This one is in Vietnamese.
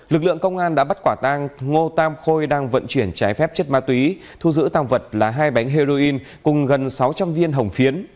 lực lượng công an đã bắt quả tang ngô tam khôi đang vận chuyển trái phép chất ma túy thu giữ tàng vật là hai bánh heroin cùng gần sáu trăm linh viên hồng phiến